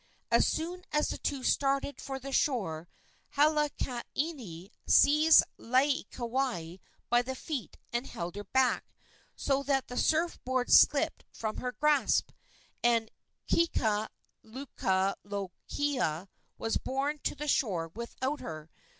As soon as the two started for the shore Halaaniani seized Laieikawai by the feet and held her back, so that the surf board slipped from her grasp, and Kekalukaluokewa was borne to the shore without her.